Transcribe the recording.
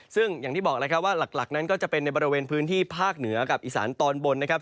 ซึ่งอย่างที่บอกแล้วครับว่าหลักนั้นก็จะเป็นในบริเวณพื้นที่ภาคเหนือกับอีสานตอนบนนะครับ